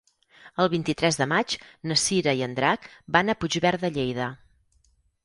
El vint-i-tres de maig na Cira i en Drac van a Puigverd de Lleida.